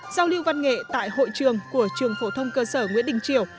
giao lưu văn nghệ tại hội trường của trường phổ thông cơ sở nguyễn đình triều